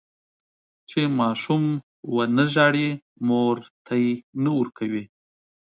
چې ماشوم ونه زړي، مور تی نه ورکوي.